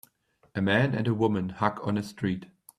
A man and a woman hug on a street.